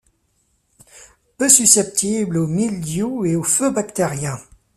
Peu susceptible au mildiou et au feu bactérien.